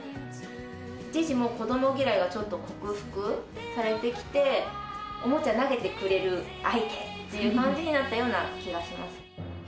ジジも子ども嫌いはちょっと克服されてきて、おもちゃ投げてくれる相手っていう感じになったような気がします。